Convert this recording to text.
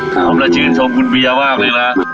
ผมและชื่นชมคุณเบียร์มากเลยนะ